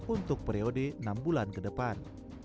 untuk periode enam bulan ke depan